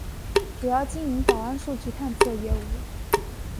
主要经营保安数据探测业务。